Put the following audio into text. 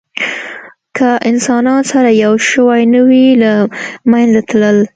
که انسانان سره یو شوي نه وی، له منځه تلل.